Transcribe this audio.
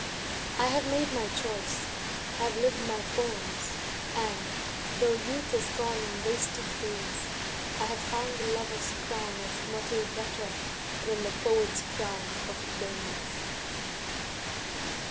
I have made my choice, have lived my poems, and, though youth is gone in wasted days, I have found the lover's crown of myrtle better than the poet's crown of bays.